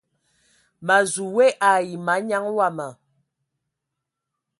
Ma zu we ai manyaŋ wama.